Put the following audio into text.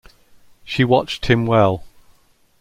She watched him well.